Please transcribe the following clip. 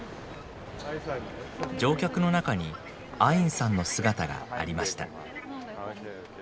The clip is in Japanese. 乗客の中にアインさんの姿がありました。